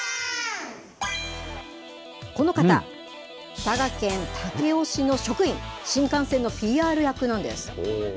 この方、佐賀県武雄市の職員、新幹線のＰＲ役なんです。